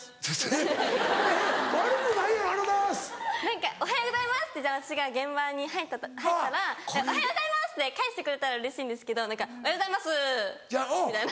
何か「おはようございます」って私が現場に入ったら「おはようございます」って返してくれたらうれしいんですけど何か「おはようございますぅ」みたいな。